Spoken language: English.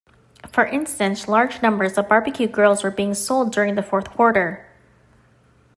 For instance, large numbers of barbecue grills were being sold during the fourth quarter.